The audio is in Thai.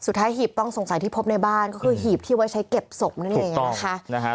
หีบต้องสงสัยที่พบในบ้านก็คือหีบที่ไว้ใช้เก็บศพนั่นเองนะคะ